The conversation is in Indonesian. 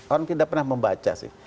orang tidak pernah membaca sih